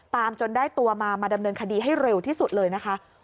จนได้ตัวมามาดำเนินคดีให้เร็วที่สุดเลยนะคะ